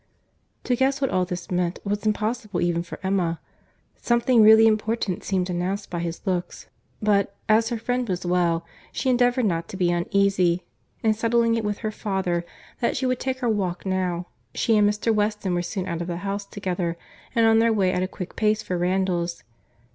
To guess what all this meant, was impossible even for Emma. Something really important seemed announced by his looks; but, as her friend was well, she endeavoured not to be uneasy, and settling it with her father, that she would take her walk now, she and Mr. Weston were soon out of the house together and on their way at a quick pace for Randalls.